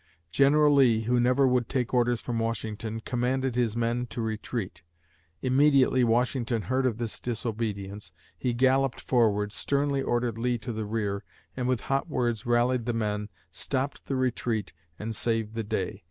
General Lee, who never would take orders from Washington, commanded his men to retreat. Immediately Washington heard of this disobedience, he galloped forward, sternly ordered Lee to the rear, and with hot words rallied the men, stopped the retreat and saved the day.